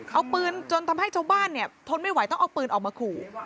เอาปืนจนทำให้ชาวบ้านเนี่ยทนไม่ไหวต้องเอาปืนออกมาขู่